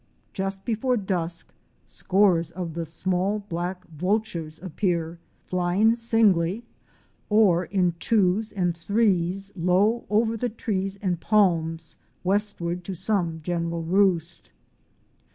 Just before dusk scores of the small Black Vultures appear, flying singly, or in twos and threes low over the trees and palms westward to some general roost.